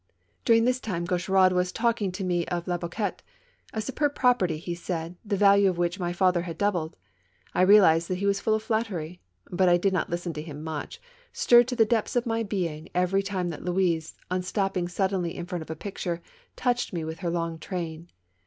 During this time Gaucheraud was talking to me of Le Boquet. A superb property, he said, the value of which my father had doubled. I realized that he was full of flattery. But I did not listen to him much, stirred to the depths of my being every time that Louise, on stopping suddenly in front of a picture, touched me with her long train.